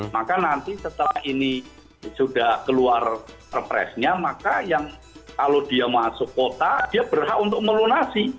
maka nanti setelah ini sudah keluar perpresnya maka yang kalau dia masuk kota dia berhak untuk melunasi